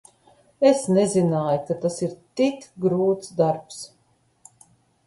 Es nezināju, ka tas ir tik grūts darbs.